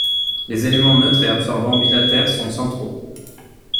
Les éléments neutre et absorbant bilatères sont centraux.